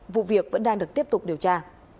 vụ việc vẫn đang được tiếp tục điều tra